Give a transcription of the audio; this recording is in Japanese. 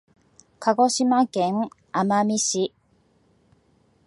鹿児島県奄美市